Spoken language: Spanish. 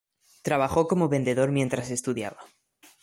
Trabajó como vendedor mientras estudiaba.